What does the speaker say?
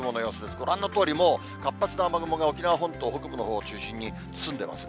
ご覧のとおり、もう活発な雨雲が沖縄本島北部のほうを中心に進んでますね。